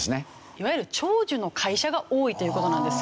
いわゆる長寿の会社が多いという事なんです。